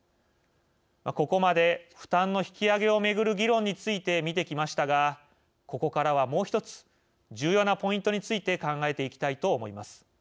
ここまで、負担の引き上げを巡る議論について見てきましたがここからはもう１つ重要なポイントについて考えていきたいと思います。